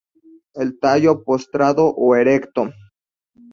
El tallo postrado o erecto.